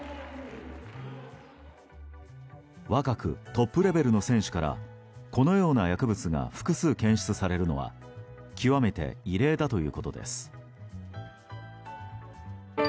若く、トップレベルの選手からこのような薬物が複数検出されるのは極めて異例だということです。